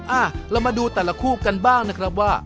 อ่ะเรามาดูแต่ละคู่กันบ้างนะครับว่า